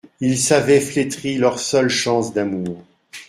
Ils savaient flétrie leur seule chance d'amour.